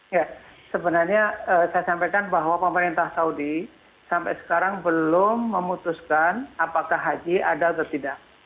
ya sebenarnya saya sampaikan bahwa pemerintah saudi sampai sekarang belum memutuskan apakah haji ada atau tidak